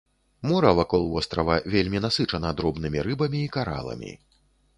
Мора вакол вострава вельмі насычана дробнымі рыбамі і караламі.